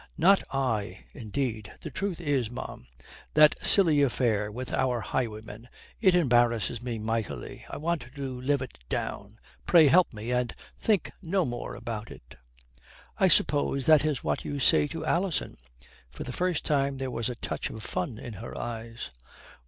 "Not I, indeed. The truth is, ma'am, that silly affair with our highwayman, it embarrasses me mightily. I want to live it down. Pray, help me, and think no more about it." "I suppose that is what you say to Alison?" For the first time there was a touch of fun in her eyes.